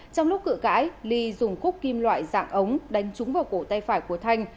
trong lúc cự cãi ly dùng cúp kim loại dạng ống đánh trúng vào cổ tay phải của thanh